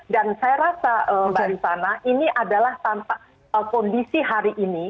dan saya rasa dari sana ini adalah kondisi hari ini